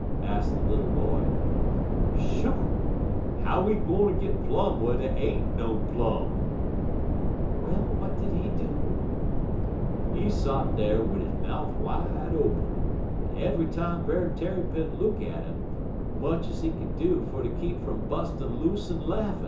asked the little boy. "Shoo! How he gwine git plum whar dey ain't no plum?" "Well, what did he do?" "He sot dar wid he mouf wide open, en eve'y time Brer Tarrypin look at 'im, much ez he kin do fer ter keep from bustin' aloose en laffin'.